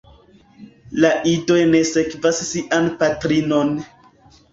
La idoj ne sekvas sian patrinon.